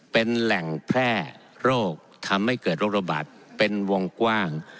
เป็นแหล่งแพร่โรคทำให้เกิดโรคระบาดเป็นวงกว้าง